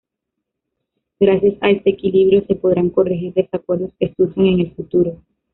Gracias a este equilibrio se podrán corregir desacuerdos que surjan en el futuro.